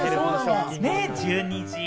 １２時。